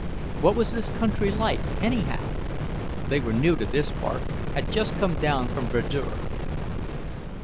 What was this country like, anyhow? They were new to this part, had just come down from Verdure.